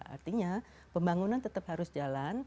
artinya pembangunan tetap harus jalan